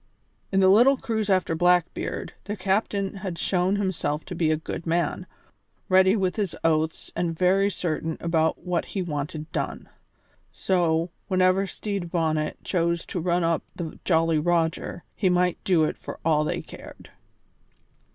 In the little cruise after Blackbeard their new captain had shown himself to be a good man, ready with his oaths and very certain about what he wanted done. So, whenever Stede Bonnet chose to run up the Jolly Roger, he might do it for all they cared.